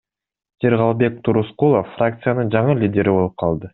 Жыргалбек Турускулов фракциянын жаңы лидери болуп калды.